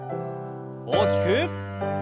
大きく。